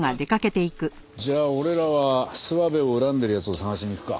じゃあ俺らは諏訪部を恨んでる奴を捜しに行くか。